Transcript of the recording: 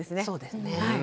そうですね。